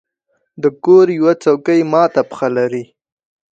د کور یوه څوکۍ مات پښه لرله.